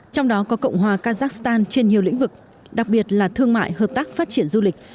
trong đó có cộng hòa kazakhstan trên nhiều lĩnh vực đặc biệt là thương mại hợp tác phát triển du lịch